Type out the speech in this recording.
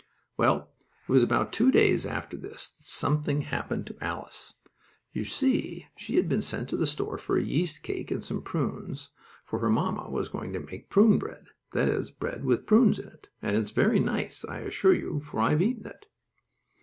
Well, it was about two days after this that something happened to Alice. You see she had been sent to the store for a yeast cake and some prunes, for her mamma was going to make prune bread that is, bread with prunes in it, and it's very nice, I assure you, for I've eaten it.